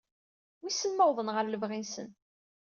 Wisen ma uwḍen ɣer lebɣi-nsen.